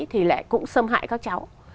thì lại cũng xâm hại các cháu